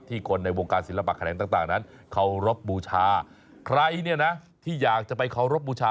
คนในวงการศิลปะแขนงต่างนั้นเคารพบูชาใครเนี่ยนะที่อยากจะไปเคารพบูชา